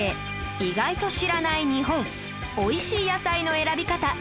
意外と知らない日本美味しい野菜の選び方